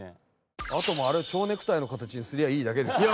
あとはあれを蝶ネクタイの形にすればいいだけですよね。